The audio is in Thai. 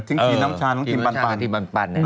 ทิ้งอีนน้ำชาน้ำชาน้ำทีมปัน